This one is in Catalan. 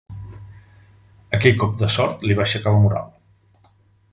Aquell cop de sort li va aixecar la moral.